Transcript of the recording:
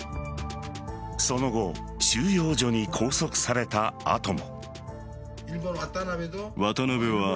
その後、収容所に拘束された後も。